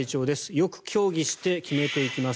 よく協議して決めていきます。